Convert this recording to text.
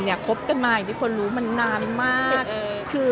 เนี้ยครบกันมาอย่างที่คนรู้มันนานมากคือ